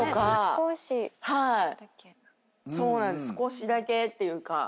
少しだけっていうか。